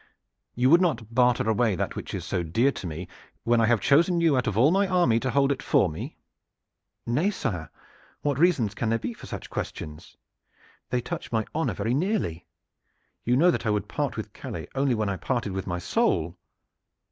You would not barter away that which is so dear to me when I have chosen you out of all my army to hold it for me?" "Nay, sire, what reasons can there be for such questions? They touch my honor very nearly. You know that I would part with Calais only when I parted with my soul."